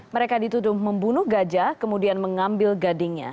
mereka dituduh membunuh gajah kemudian mengambil gadingnya